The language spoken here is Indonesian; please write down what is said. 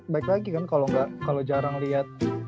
baik lagi kan kalau jarang lihat